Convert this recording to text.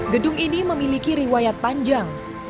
gedung ini memiliki riwayat panjang